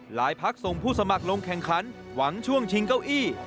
พักส่งผู้สมัครลงแข่งขันหวังช่วงชิงเก้าอี้